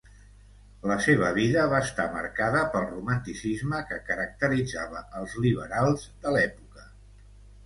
La seva vida va estar marcada pel romanticisme que caracteritzava els liberals de l'època.